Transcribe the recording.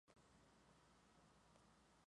Fue precedida por "Midland Naturalist.